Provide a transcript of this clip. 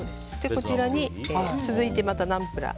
こちらに続いてまたナンプラー。